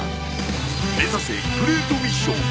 目指せグレートミッション！